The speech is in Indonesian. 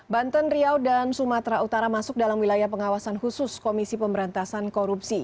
banten riau dan sumatera utara masuk dalam wilayah pengawasan khusus komisi pemberantasan korupsi